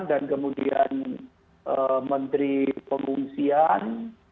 dan kemudian menteri pengungsian